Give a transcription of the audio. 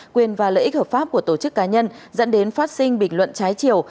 quyền và lợi ích hợp pháp của tổ chức cá nhân dẫn đến phát sinh bình luận trái chiều